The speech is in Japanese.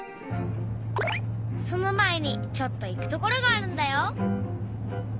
その前にちょっと行くところがあるんだよ。